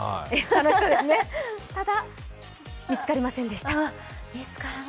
ただ、見つかりませんでした。